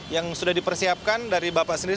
yang sudah dipersiapkan dari bapak sendiri